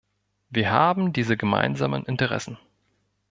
Wir haben diese gemeinsamen Interessen.